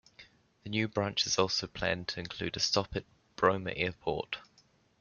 The new branch is also planned to include a stop at Bromma Airport.